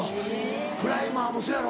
クライマーもせやろ？